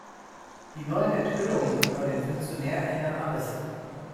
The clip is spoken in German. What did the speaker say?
Die neuen Enthüllungen über den Funktionär ändern alles.